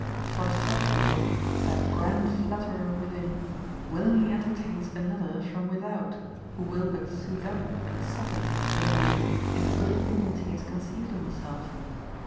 For self love, that grand flatterer within, willingly entertains another from without, who will but soothe up and second the man in the good opinions he has conceived of himself.